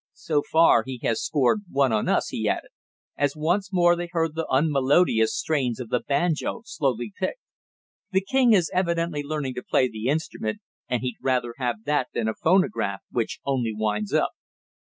So far he has scored one on us," he added, as once more they heard the unmelodious strains of the banjo slowly picked. "The king is evidently learning to play the instrument, and he'd rather have that than a phonograph, which only winds up."